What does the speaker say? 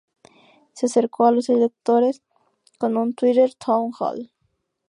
Se acercó a los electores con un "Twitter Town Hall".